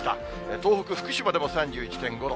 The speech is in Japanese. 東北の福島でも３１．５度。